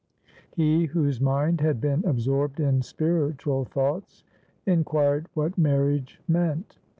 He whose mind had been absorbed in spiritual thoughts, inquired what marriage meant.